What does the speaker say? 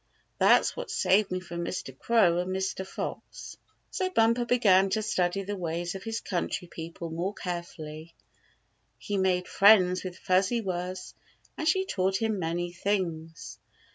That's what saved me from Mr, Crow and Mr. Fox." So Bumper began to study the ways of his country people more carefully. He made friends with Fuzzy Wuzz, and she taught him many things.